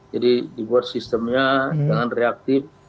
jadi dibuat sistemnya dengan reaktif